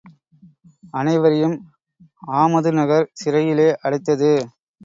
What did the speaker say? அனைவரையும் ஆமதுநகர் சிறையிலே அடைத்தது.